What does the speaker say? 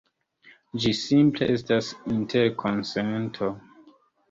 Ĝi simple estas interkonsento.